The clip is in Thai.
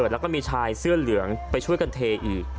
แล้วก็มีชายเสื้อเหลืองไปช่วยกันเทอีก